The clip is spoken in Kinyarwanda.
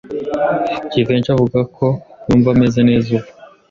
Jivency avuga ko yumva ameze neza ubu.